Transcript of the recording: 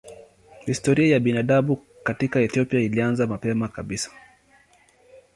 Historia ya binadamu katika Ethiopia ilianza mapema kabisa.